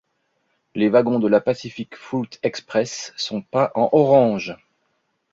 Les wagons de la Pacific Fruit Express sont peints en orange.